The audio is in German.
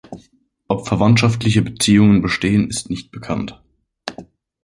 Ob verwandtschaftliche Beziehungen bestehen, ist nicht bekannt.